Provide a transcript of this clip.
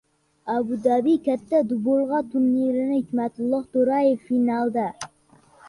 Abu-Dabi “Katta Dubulg‘a” turniri. Hikmatilloh To‘rayev finalda